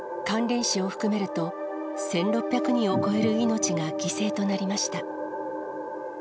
関連死を含めると、１６００人を超える命が犠牲となりました。